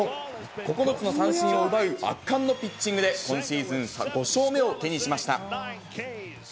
９つの三振を奪う圧巻のピッチングで、今シーズン５勝目を手にしました。